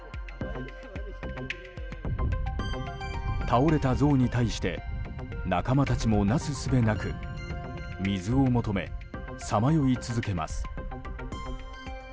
倒れたゾウに対して仲間たちもなすすべなく水を求めさまよい続けます。